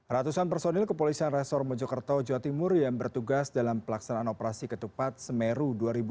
ratusan personil kepolisian resor mojokerto jawa timur yang bertugas dalam pelaksanaan operasi ketupat semeru dua ribu dua puluh